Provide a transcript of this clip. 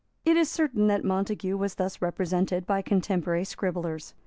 It is certain that Montague was thus represented by contemporary scribblers.